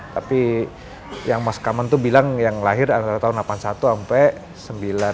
tapi yang mas kaman tuh bilang yang lahir antara tahun seribu sembilan ratus sampai seribu sembilan ratus sembilan puluh